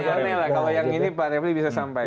kalau yang ini pak refli bisa sampaikan